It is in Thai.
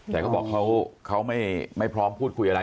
แต่เขาบอกเขาไม่พร้อมพูดคุยอะไร